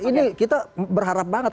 ini kita berharap banget